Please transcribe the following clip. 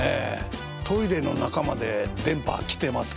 トイレの中まで電波は来てますから。